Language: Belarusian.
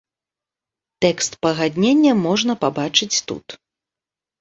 Тэкст пагаднення можна пабачыць тут.